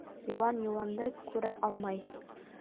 Йыуан йыуанды күрә алмай.